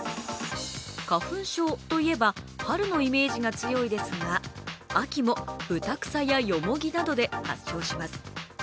花粉症といえば春のイメージが強いですが秋も、ぶたくさやよもぎなどで発症します。